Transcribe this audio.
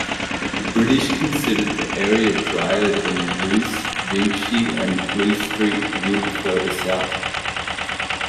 The British considered the area drier than Loos, Givenchy and Plugstreet Wood further south.